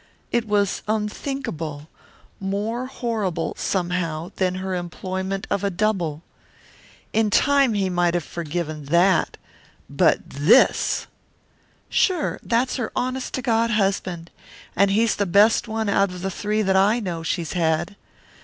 It was unthinkable, more horrible, somehow, than her employment of a double. In time he might have forgiven that but this! "Sure, that's her honest to God husband. And he's the best one out of three that I know she's had.